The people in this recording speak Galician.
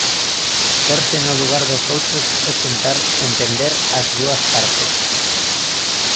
Pórse no lugar dos outros e tentar entender as dúas partes.